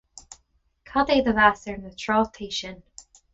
Cad é do mheas ar na trátaí sin?